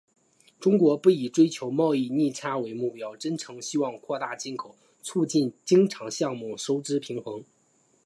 中国不以追求贸易逆差为目标，真诚希望扩大进口，促进经常项目收支平衡。